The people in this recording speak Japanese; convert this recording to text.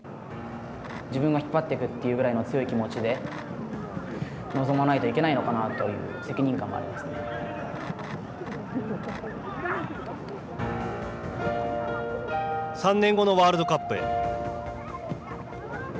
自分が引っ張っていくというぐらいの強い気持ちで臨まないといけないのかなという３年後のワールドカップへ。